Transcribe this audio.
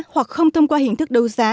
hoặc không thông qua hình thức đấu giá